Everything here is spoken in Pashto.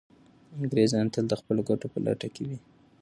انګریزان تل د خپلو ګټو په لټه کي وي.